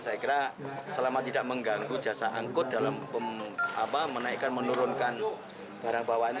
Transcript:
saya kira selama tidak mengganggu jasa angkut dalam menaikkan menurunkan barang bawaannya